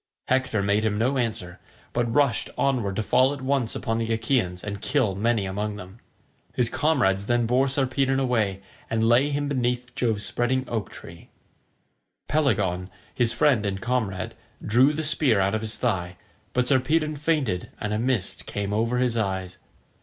Hector made him no answer, but rushed onward to fall at once upon the Achaeans and kill many among them. His comrades then bore Sarpedon away and laid him beneath Jove's spreading oak tree. Pelagon, his friend and comrade, drew the spear out of his thigh, but Sarpedon fainted and a mist came over his eyes.